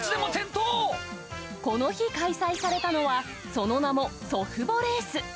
この日開催されたのは、その名も祖父母レース。